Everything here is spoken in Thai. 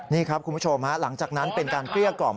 นี่ครับคุณผู้ชมหลังจากนั้นเป็นการเกลี้ยกล่อม